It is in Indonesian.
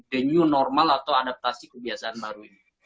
the new normal atau adaptasi kebiasaan baru ini